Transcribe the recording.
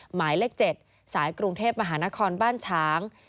หมายเลข๗สายกรุงเทพมหานครบ้านช้าง